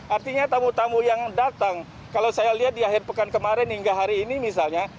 artinya tamu tamu yang datang kalau saya lihat di akhir pekan kemarin hingga hari ini misalnya